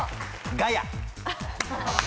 ガヤ。